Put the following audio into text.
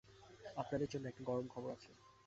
আপনাদের জন্য একটা গরম খবর আছে।